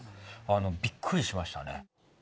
びっくりしましたね。